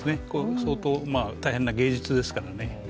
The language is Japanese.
相当、大変な芸術ですからね。